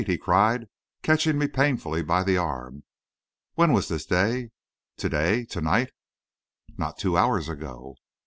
he cried, catching me painfully by the arm. "When was this day? To day to night?" "Not two hours ago."